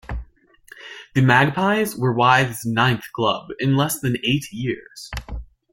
The Magpies were Withe's ninth club in less than eight years.